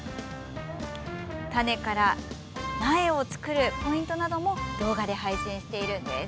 種から苗を作るポイントなども動画で配信しているんです。